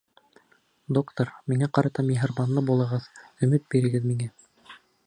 Доктор, миңә ҡарата миһырбанлы булығыҙ, өмөт бирегеҙ миңә!